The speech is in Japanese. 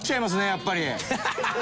やっぱり。